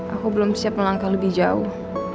aku belum siap melangkah lebih jauh